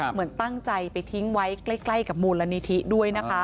เหมือนตั้งใจไปทิ้งไว้ใกล้กับมูลนิธิด้วยนะคะ